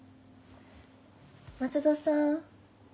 松戸さん？